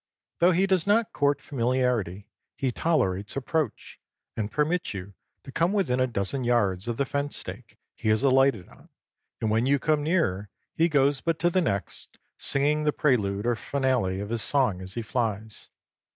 Though he does not court familiarity, he tolerates approach; and permits you to come within a dozen yards of the fence stake he has alighted on, and when you come nearer he goes but to the next, singing the prelude or finale of his song as he flies.